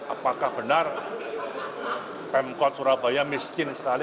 apakah benar pemkot surabaya miskin sekali